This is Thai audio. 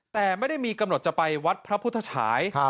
แต่ไม่ได้มีกำหนดจะไปวัดพระพุทธฉาย